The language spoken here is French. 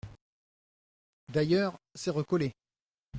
D’ailleurs, c’est recollé !